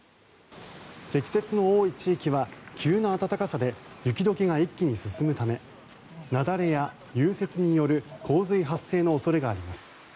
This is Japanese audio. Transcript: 積雪の多い地域は急な暖かさで雪解けが一気に進むため雪崩や融雪による洪水発生の恐れがあります。